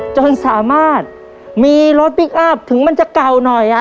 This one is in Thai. จนสามารถมีรถพลิกอัพถึงมันจะเก่าหน่อยอ่ะ